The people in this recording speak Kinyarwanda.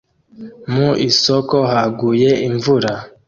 Mu isoko haguye imvura